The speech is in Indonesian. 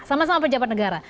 sama sama penjabat negara